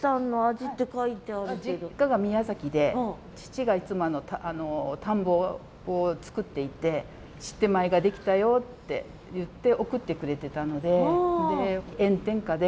実家が宮崎で父がいつも田んぼを作っていてシッテ米ができたよっていって送ってくれてたので。